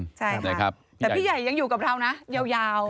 แต่พี่ใหญ่ยังอยู่กับเรานะ